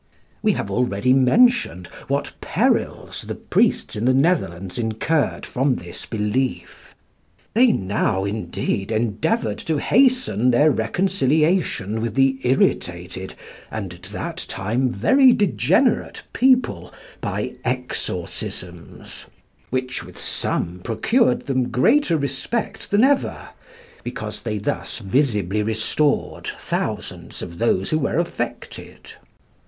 We have already mentioned what perils the priests in the Netherlands incurred from this belief. They now, indeed, endeavoured to hasten their reconciliation with the irritated, and, at that time, very degenerate people, by exorcisms, which, with some, procured them greater respect than ever, because they thus visibly restored thousands of those who were affected.